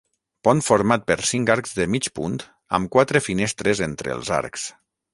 Pont format per cinc arcs de mig punt amb quatre finestres entre els arcs.